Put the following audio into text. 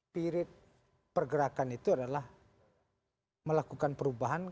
spirit pergerakan itu adalah melakukan perubahan